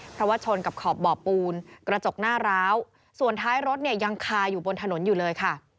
เพราะว่าชนกับขอบบ่อปูนกระจกหน้าร้าวส่วนท้ายรถเนี่ยยังคาอยู่บนถนนอยู่เลยค่ะ